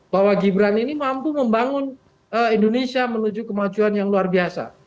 bahwa gibran ini mampu membangun indonesia menuju kemajuan yang luar biasa